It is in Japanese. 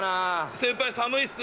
先輩寒いっす！